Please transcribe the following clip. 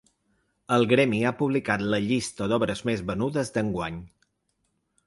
El gremi ha publicat la llista d’obres més venudes d’enguany.